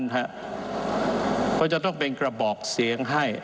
เพราะจะต้องเป็นกระบอกเสียงให้